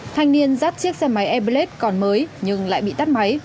thanh niên rát chiếc xe máy airblade còn mới nhưng lại bị tắt máy